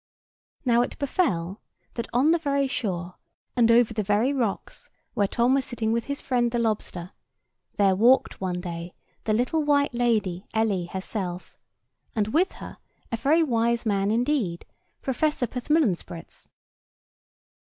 Now it befell that, on the very shore, and over the very rocks, where Tom was sitting with his friend the lobster, there walked one day the little white lady, Ellie herself, and with her a very wise man indeed—Professor Ptthmllnsprts.